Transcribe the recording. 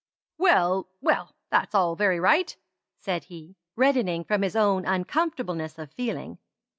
"Well well that's all very right," said he, reddening from his own uncomfortableness of feeling.